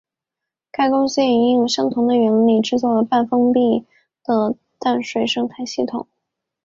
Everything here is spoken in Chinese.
该公司也应用相同的原理制作了半封闭的淡水生态系统。